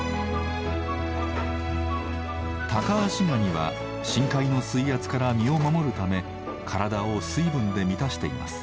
タカアシガニは深海の水圧から身を守るため体を水分で満たしています。